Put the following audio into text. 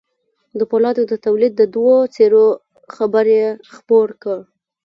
د پولادو د توليد د دوو څېرو خبر يې خپور کړ.